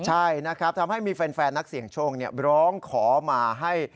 ใช่ทำให้มีแฟนนักเสียงโชงร้องขอมาให้